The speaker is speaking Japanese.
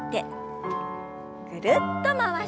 ぐるっと回して。